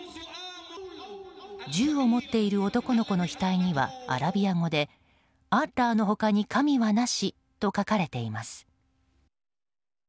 銃を持っている男の子の額にはアラビア語で「アッラーの他に神はなし」と書かれています。